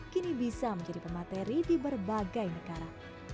kini bisa menjadi pemateri di berbagai negara